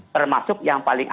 termasuk yang paling asli